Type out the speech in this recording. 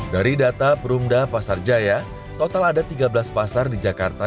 dari data perumda pasar jaya total ada tiga belas pasar di jakarta